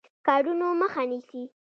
کارونو مخه نیسي.